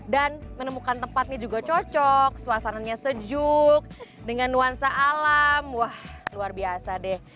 dan menemukan tempatnya juga cocok suasananya sejuk dengan nuansa alam wah luar biasa deh